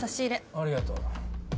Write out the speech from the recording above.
ありがとう。